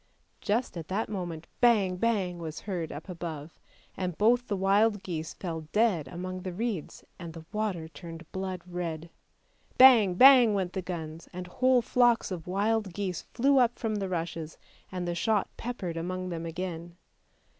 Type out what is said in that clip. Just at that moment, bang ! bang ! was heard up above, and both the wild geese fell dead among the reeds, and the water turned blood red. Bang! bang! went the guns, and whole flocks of wild geese flew up from the rushes and the shot peppered among them again.